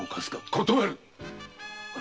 断る！